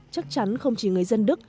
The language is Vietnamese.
chắc chắn không chỉ người dân đức